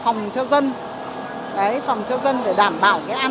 phòng cho dân để đảm bảo an ninh cho dân cho tốt